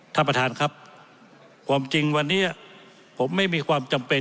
ท่านประธานครับความจริงวันนี้ผมไม่มีความจำเป็น